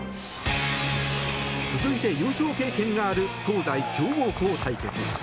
続いて、優勝経験がある東西強豪校対決。